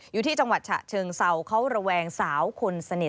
อยู่ที่จังหวัดฉะเชิงเซาเขาระแวงสาวคนสนิท